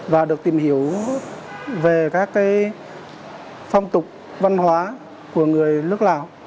và được tìm hiểu về các phong tục văn hóa của người nước lào